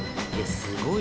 すごい。